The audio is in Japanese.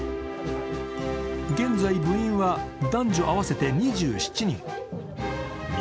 現在、部員は男女合わせて２７人。